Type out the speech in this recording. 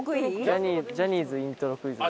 ジャニーズイントロクイズ。